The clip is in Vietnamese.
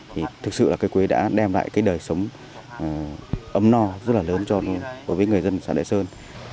thì thực sự là cây quế đã đem lại cái đời sống ấm no rất là lớn cho người dân xã đại sơn